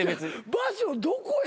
場所どこや？